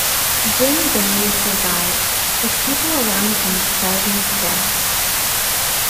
Jim barely survives, with people around him starving to death.